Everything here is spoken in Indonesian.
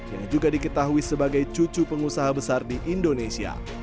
yang juga diketahui sebagai cucu pengusaha besar di indonesia